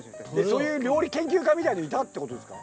そういう料理研究家みたいなのいたってことですか？